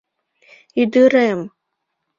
Ӱдырем!..